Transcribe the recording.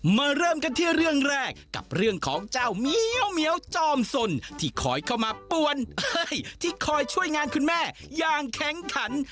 เริ่มกันที่เรื่องแรกกับเรื่องของเจ้าเหมียวจอมสนที่คอยเข้ามาปวนที่คอยช่วยงานคุณแม่อย่างแข็งขัน